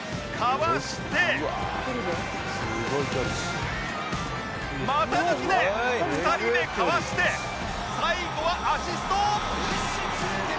「うわっすごい距離」股抜きで２人目かわして最後はアシスト